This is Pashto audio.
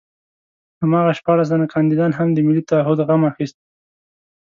هماغه شپاړس تنه کاندیدان هم د ملي تعهُد غم اخیستي.